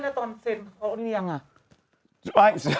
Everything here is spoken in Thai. ไม่นะตอนเซ็นพระราชนิยังอ่ะ